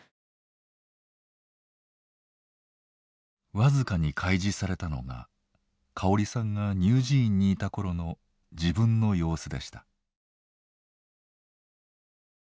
僅かに開示されたのが香織さんが乳児院にいた頃の自分の様子でした。